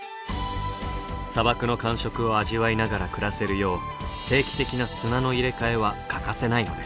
砂漠の感触を味わいながら暮らせるよう定期的な砂の入れ替えは欠かせないのです。